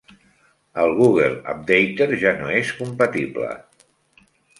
El Google Updater ja no és compatible.